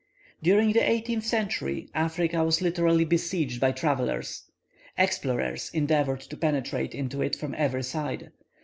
During the eighteenth century, Africa was literally besieged by travellers. Explorers endeavoured to penetrate into it from every side.